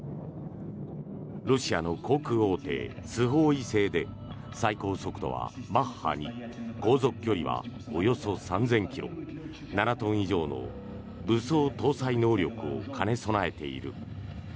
ロシアの航空大手スホーイ製で最高速度はマッハ２航続距離はおよそ３０００ｋｍ７トン以上の武装搭載能力を兼ね備えている。